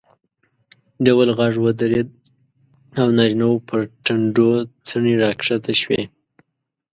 ډول غږ ودرېد او نارینه وو پر ټنډو څڼې راکښته شوې.